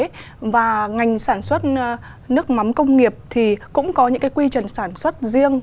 thực tế và ngành sản xuất nước mắm công nghiệp thì cũng có những cái quy chuẩn sản xuất riêng